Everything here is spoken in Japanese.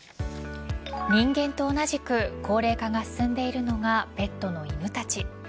人間と同じく高齢化が進んでいるのがペットの犬たち。